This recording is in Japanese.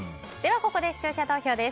ここで視聴者投票です。